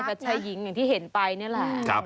แต่ชายหญิงอย่างที่เห็นไปนี่แหละ